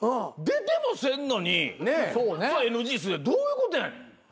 出てもせんのにＮＧにするどういうことやねん。